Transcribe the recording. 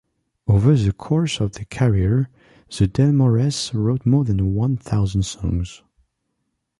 Over the course of their careers, the Delmores wrote more than one thousand songs.